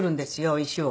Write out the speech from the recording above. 石を。